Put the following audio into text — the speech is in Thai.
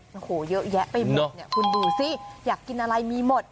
โอ้โหเยอะแยะไปหมดเนี่ยคุณดูสิอยากกินอะไรมีหมด